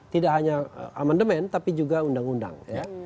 tidak hanya amendement tapi juga undang undang ya